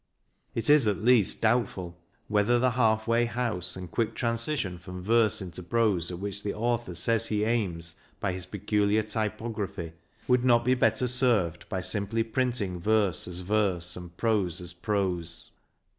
It is, at least, doubtful whether the " half way house " and quick transition from verse into prose, at which the author says he aims by his peculiar typography, would not be better PAUL FORT 267 served by simply printing verse as verse and prose as prose.